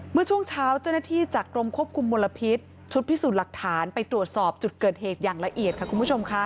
เมื่อช่วงเช้าเจ้าหน้าที่จากกรมควบคุมมลพิษชุดพิสูจน์หลักฐานไปตรวจสอบจุดเกิดเหตุอย่างละเอียดค่ะคุณผู้ชมค่ะ